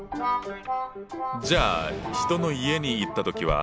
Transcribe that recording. じゃあ人の家に行った時は？